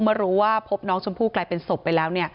มารู้ว่าพบน้องชมพู่กลายเป็นศพไปแล้ว